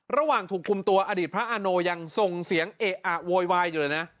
ระหว่างถูกคุมตัวอดีตพระอาโนยังส่งเสียงเอะอะโวยวายอยู่เลยนะ